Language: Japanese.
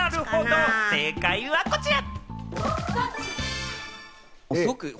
正解はこちら。